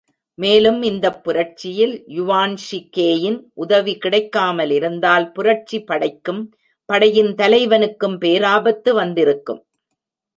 மேலும் இந்த புரட்சியில் யுவான் ஷி கேயின் உதவி கிடைக்காமலிருந்தால் புரட்சி படைக்கும், படையின் தலைவனுக்கும் பேராபத்து வந்திருக்கும்.